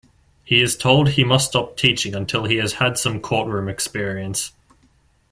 He is told he must stop teaching until he has had some courtroom experience.